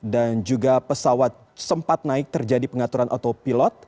dan juga pesawat sempat naik terjadi pengaturan autopilot